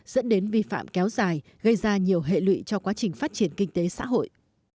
dẫn đến vi phạm kéo dài gây ra nhiều hệ lụy cho quá trình phát triển kinh tế xã hội